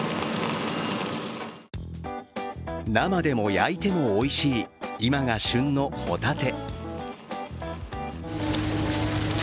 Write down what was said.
生でも焼いてもおいしい、今が旬のほたて。